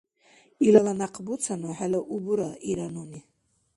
— Илала някъ буцану, хӀела у бура, — ира нуни.